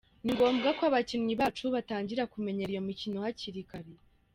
Ni ngombwa ko abakinnyi bacu batangira kumenyera iyo mikino hakiri kare.